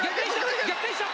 逆転した！